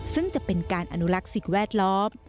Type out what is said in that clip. ซึ่งจะเป็นการอนุรักษ์สิ่งแวดล้อม